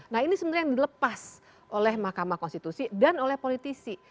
nah ini sebenarnya yang dilepas oleh mahkamah konstitusi dan oleh politisi